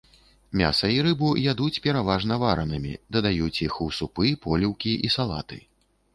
Мяса і рыбу ядуць пераважна варанымі, дадаюць іх у супы, поліўкі і салаты.